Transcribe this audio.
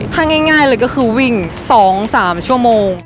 ถ้าง่ายเลยก็คือวิ่ง๒๓ชั่วโมง